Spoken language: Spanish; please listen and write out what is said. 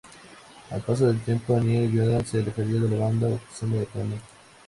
Al paso del tiempo, Annie Holland se alejaría de la banda acusando agotamiento.